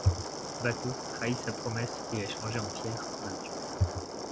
Battos trahit sa promesse et est changé en pierre par le dieu.